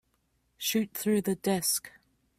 Shoot through the desk.